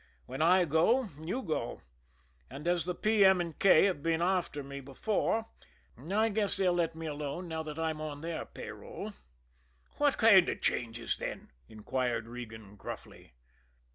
When I go, you go and as the P. M. & K. have been after me before, I guess they'll let me alone now I'm on their pay roll." "What kind of changes, then?" inquired Regan gruffly.